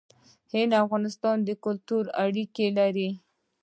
هند او افغانستان کلتوري اړیکې لري.